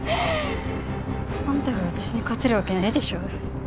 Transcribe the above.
あんたが私に勝てるわけないでしょ？